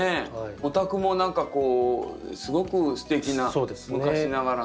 お宅も何かこうすごくすてきな昔ながらの。